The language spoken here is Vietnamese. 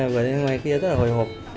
vừa đến ngày kia rất là hồi hộp